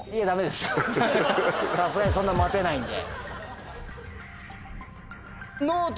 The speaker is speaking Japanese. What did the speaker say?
さすがにそんな待てないんで。